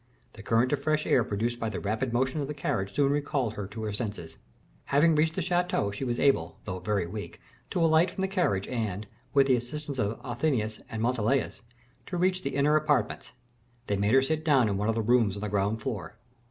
The current of fresh air produced by the rapid motion of the carriage soon recalled her to her senses. Having reached the chateau, she was able, though very weak, to alight from the carriage, and, with the assistance of Athenais and of Montalais, to reach the inner apartments. They made her sit down in one of the rooms of the ground floor.